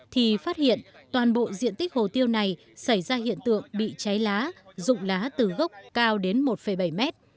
thì phát hiện toàn bộ diện tích hồ tiêu này xảy ra hiện tượng bị cháy lá rụng lá từ gốc cao đến một bảy mét